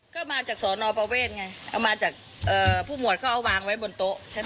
ซึ่งชั้นคือเหตุผลกับคาร์ดไม่มีรอยกิจแป้งชะดดขาขูดลบ